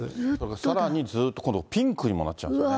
さらにずっと今度、ピンクにもなっちゃうんですね。